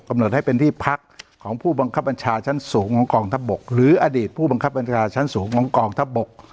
หดให้เป็นที่พักของผู้บังคับบัญชาชั้นสูงของกองทัพบกหรืออดีตผู้บังคับบัญชาชั้นสูงของกองทัพบก